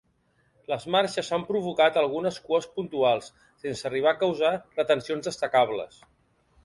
Les marxes han provocat algunes cues puntuals sense arribar a causar retencions destacables.